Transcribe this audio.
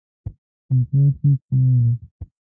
چوکاټ کې کول